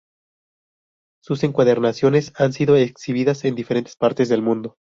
Sus encuadernaciones han sido exhibidas en diferentes partes del mundo.